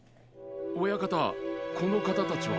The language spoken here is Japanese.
親方このかたたちは？